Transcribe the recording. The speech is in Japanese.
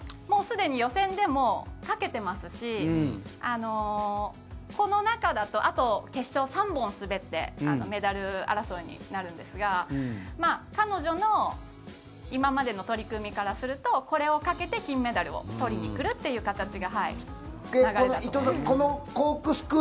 もうすでに予選でもかけてますしこの中だと、決勝３本滑ってメダル争いになるんですが彼女の今までの取り組みからするとこれをかけて金メダルを取りにくるという流れだと思います。